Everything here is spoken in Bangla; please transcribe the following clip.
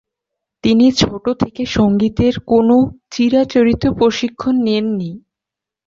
তিনি ছোট থেকে সংগীতের কোনও চিরাচরিত প্রশিক্ষণ নেননি।